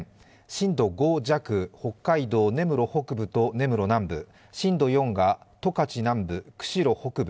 震度５弱、北海道根室北部根室南部震度４が十勝南部、釧路北部